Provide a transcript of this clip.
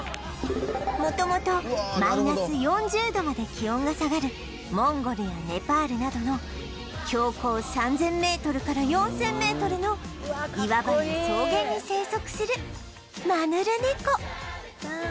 元々マイナス４０度まで気温が下がるモンゴルやネパールなどの標高３０００メートルから４０００メートルの岩場や草原に生息するマヌルネコ